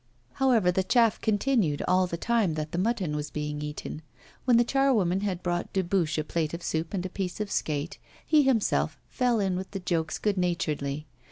However, the chaff continued all the time that the mutton was being eaten. When the charwoman had brought Dubuche a plate of soup and a piece of skate, he himself fell in with the jokes good naturedly.